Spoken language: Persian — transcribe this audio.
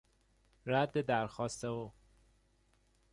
رد درخواست او